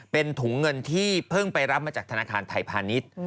เป็นถุงเงินที่เพิ่งไปรับมาจากธนาคารไทยพาณิชย์